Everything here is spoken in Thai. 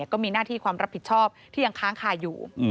ก็มีหน้าที่ความรับผิดชอบที่ยังค้างคาอยู่